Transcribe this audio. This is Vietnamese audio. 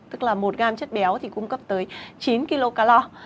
tức là một gam chất béo thì cung cấp tới chín kg